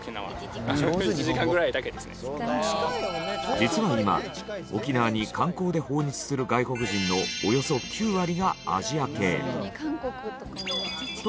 実は今沖縄に観光で訪日する外国人のおよそ９割がアジア系。